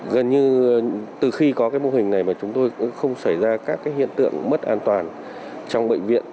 gần như từ khi có mô hình này mà chúng tôi không xảy ra các hiện tượng mất an toàn trong bệnh viện